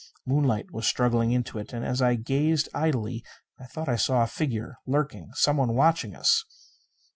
Moonlight was struggling into it. And, as I gazed idly, I thought I saw a figure lurking. Someone watching us.